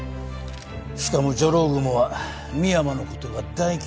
しかもジョロウグモは深山のことが大嫌いときている。